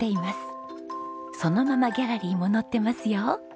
そのままギャラリーも載ってますよ。